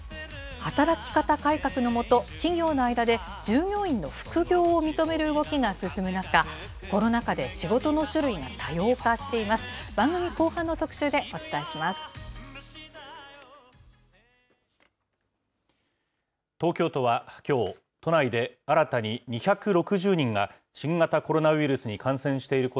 働き方改革の下、企業の間で従業員の副業を認める動きが進む中、コロナ禍で仕事の種類が多様化しています。